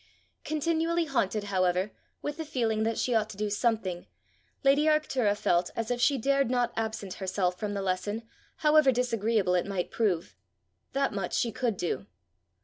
Continually haunted, however, with the feeling that she ought to do something, lady Arctura felt as if she dared not absent herself from the lesson, however disagreeable it might prove: that much she could do!